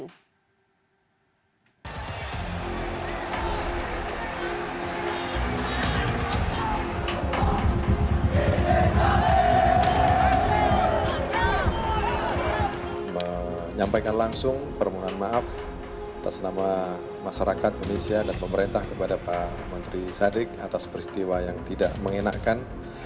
kami menyampaikan langsung permohonan maaf atas nama masyarakat indonesia dan pemerintah kepada pak menteri sadik atas peristiwa yang tidak mengenakan